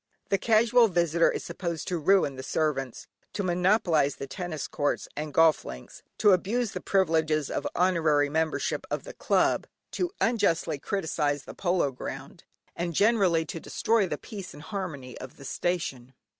The casual visitor is supposed to ruin the servants, to monopolise the tennis courts, and golf links, to abuse the privileges of honorary membership of the club, to unjustly criticise the polo ground, and generally to destroy the peace and harmony of the station.